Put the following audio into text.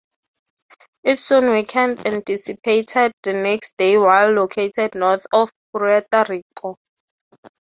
It soon weakened and dissipated the next day while located north of Puerto Rico.